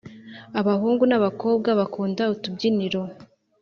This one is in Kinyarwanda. Abahungu na abakobwa bakunda utubyiniro